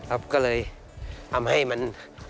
ก็เลยทำให้มัน